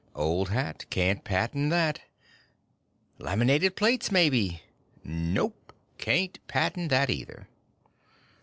Old hat; can't patent that. Laminated plates, maybe? Nope. Can't patent that, either."